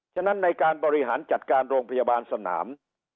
ฉะนั้นในการบริหารจัดการโรงพยาบาลสนาม